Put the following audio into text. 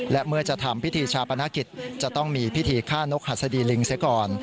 และเมื่อจะทำพิธีชาปนกิจจะต้องมีพิธีฆ่านกหัสดีลิงเสียก่อน